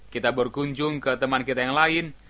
kita berkunjung ke teman kita yang lain